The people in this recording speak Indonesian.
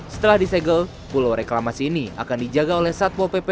setelah disegel pulau reklamasi ini akan dijaga oleh satpo pp